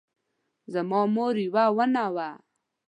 زما مور یوه ونه وه